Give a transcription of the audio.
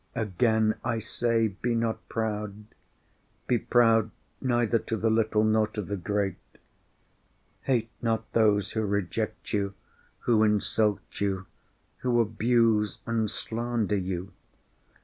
Again I say, Be not proud. Be proud neither to the little nor to the great. Hate not those who reject you, who insult you, who abuse and slander you.